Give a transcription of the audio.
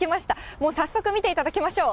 もう早速見ていただきましょう。